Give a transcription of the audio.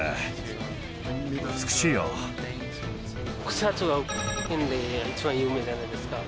草津はで一番有名じゃないですか。